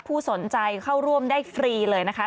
ผู้สนใจเข้าร่วมได้ฟรีเลยนะคะ